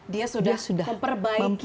dia sudah memperbaiki